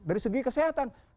dari segi kesehatan